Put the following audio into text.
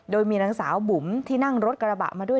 โดยมีนางสาวบุ๋มที่นั่งรถกระบะมาด้วย